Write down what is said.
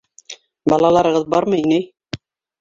Балаларығыҙ бармы, инәй?